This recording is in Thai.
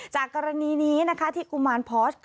จากกรณีนี้ที่กุมารพอร์ช